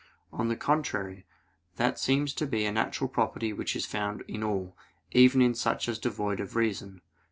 On the contrary, That seems to be a natural property which is found in all, even in such as devoid of reason.